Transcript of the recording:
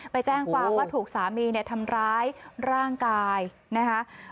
ไปแจ้งความว่าถูกสามีเนี่ยทำร้ายร่างกายนะคะ